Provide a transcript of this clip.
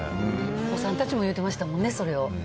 お子さんたちも言ってましたもんね、それを。